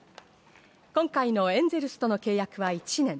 今回のエンゼルスとの契約は１年。